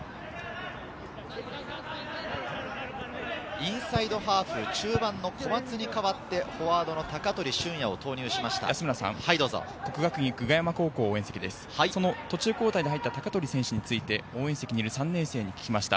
インサイドハーフ、中盤の小松に代わって、フォワードの鷹取駿也を投入しました。